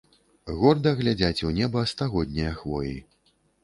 Горда глядзяць у неба стагоднія хвоі.